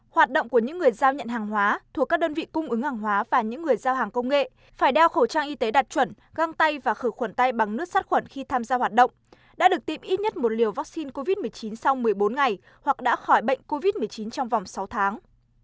hoạt động của những người giao nhận hàng hóa thuộc các đơn vị cung ứng hàng hóa và những người giao hàng công nghệ phải đeo khẩu trang y tế đạt chuẩn găng tay và khử khuẩn tay bằng nước sát khuẩn khi tham gia hoạt động đã được tiêm ít nhất một liều vaccine covid một mươi chín sau một mươi bốn ngày hoặc đã khỏi bệnh covid một mươi chín trong vòng sáu tháng